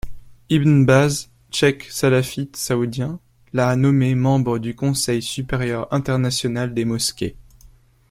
Ibn Baz, cheikh salafiste saoudien, l'a nommé membre du Conseil supérieur international des mosquées.